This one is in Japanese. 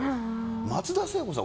松田聖子さん